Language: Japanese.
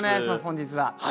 本日は。